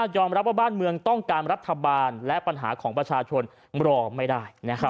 ยอมรับว่าบ้านเมืองต้องการรัฐบาลและปัญหาของประชาชนรอไม่ได้